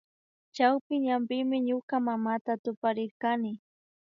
Chawpi ñanpimi ñuka mamata tuparirkani